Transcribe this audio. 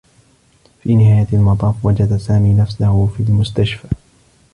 في نهاية المطاف، وجد سامي نفسه في المستشفى.